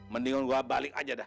mendingan gue balik aja dah